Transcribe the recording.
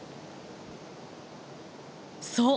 そう！